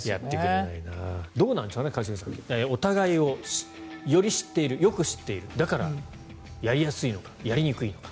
どうなんですかね一茂さんお互いをより知っているよく知っている、だからやりやすいのかやりにくいのか。